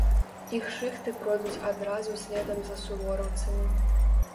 Іх шыхты пройдуць адразу следам за сувораўцамі.